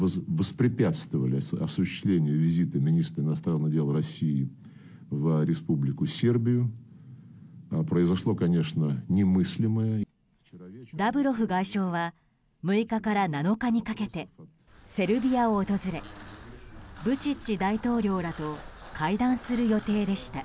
ラブロフ外相は６日から７日にかけてセルビアを訪れブチッチ大統領らと会談する予定でした。